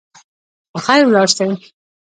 په خیر ولاړ سئ.